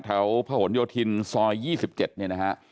แถวพโยธินซอย๒๗เนี่ยนะฮะ